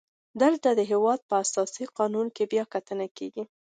دلته د هیواد په اساسي قانون بیا کتنه کیږي.